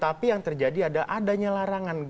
tapi yang terjadi adanya larangan